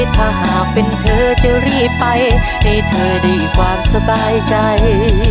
ถ้าหากเป็นเธอจะรีบไปให้เธอดีความสบายใจ